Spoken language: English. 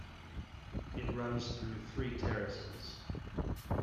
It runs through three terraces.